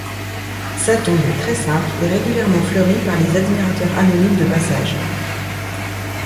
Sa tombe, très simple, est régulièrement fleurie par les admirateurs anonymes de passage.